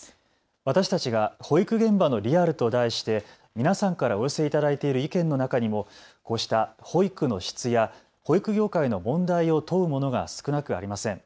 私たちが保育現場のリアルと題して皆さんからお寄せいただいている意見の中にもこうした保育の質や保育業界の問題を問うものが少なくありません。